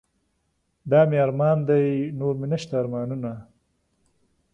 دا مې ارمان دے نور مې نشته ارمانونه